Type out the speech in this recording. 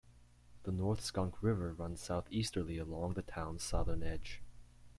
The North Skunk River runs southeasterly along the town's southern edge.